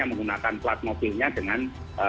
yang menggunakan plat mobilnya dengan